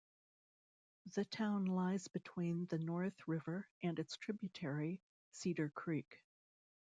The town lies between the North River and its tributary, Cedar Creek.